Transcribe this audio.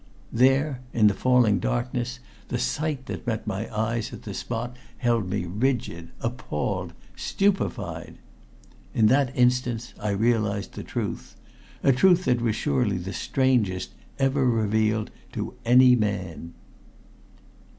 There, in the falling darkness, the sight that met my eyes at the spot held me rigid, appalled, stupefied. In that instant I realized the truth a truth that was surely the strangest ever revealed to any man.